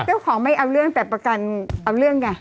เจ้าของไม่เอาเรื่องแต่ประกันเอาเรื่องไง